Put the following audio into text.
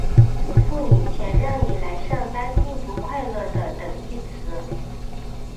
付你钱让你来上班并不快乐的等义词。